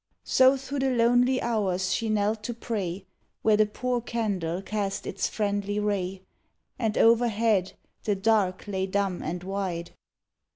So through the lonely hours she knelt to pray, Where the poor candle cast its friendly ray And overhead the dark lay dumb and wide.